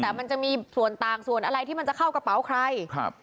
แต่มันจะมีต่างที่จะเข้ากระเป๋าใคร